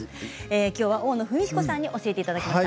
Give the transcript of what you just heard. きょうは大野文彦さんに教えていただきました。